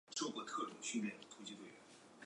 安平人才辈出。